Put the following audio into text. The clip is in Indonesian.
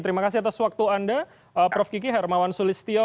terima kasih atas waktu anda prof kiki hermawan sulistyo